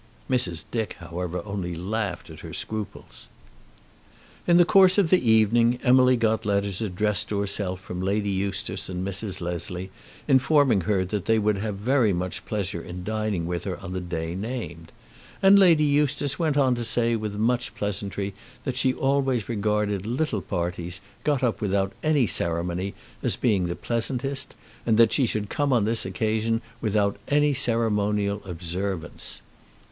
Mrs. Dick, however, only laughed at her scruples. In the course of the evening Emily got letters addressed to herself from Lady Eustace and Mrs. Leslie, informing her that they would have very much pleasure in dining with her on the day named. And Lady Eustace went on to say, with much pleasantry, that she always regarded little parties, got up without any ceremony, as being the pleasantest, and that she should come on this occasion without any ceremonial observance.